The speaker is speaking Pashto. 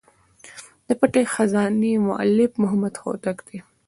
د پټي خزانې مؤلف محمد هوتک دﺉ.